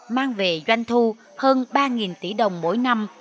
mang về doanh thu hơn ba tỷ đồng mỗi năm